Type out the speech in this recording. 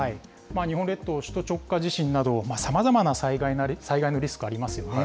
日本列島、首都直下地震などさまざまな災害のリスクありますよね。